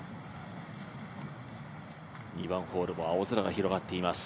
２番ホールも青空が広がっています